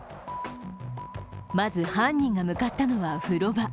まず、犯人が向かったのは風呂場。